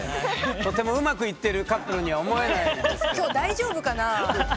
とてもうまくいってるカップルには思えないんですけど。